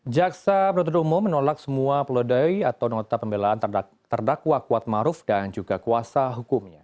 jaksa penuntut umum menolak semua peledai atau nota pembelaan terdakwa kuatmaruf dan juga kuasa hukumnya